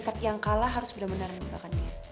tapi yang kalah harus benar benar meninggalkan dia